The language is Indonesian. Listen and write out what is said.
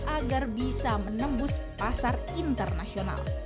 agar bisa menembus pasar internasional